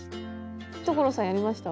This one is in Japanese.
所さんやりました？